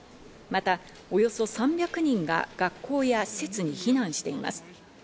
また、およそ３００人が学校や施設に避難しています。